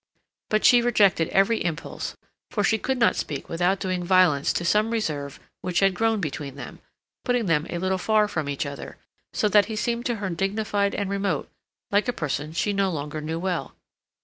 But she rejected every impulse, for she could not speak without doing violence to some reserve which had grown between them, putting them a little far from each other, so that he seemed to her dignified and remote, like a person she no longer knew well.